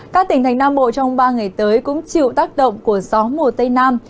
các tỉnh thành nam bộ trong ba ngày tới cũng chịu tác động của gió mùa tây nam